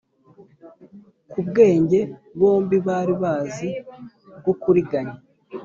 ku bwenge bombi bari bazi bwo kuriganya.